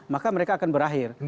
maka mereka akan berakhir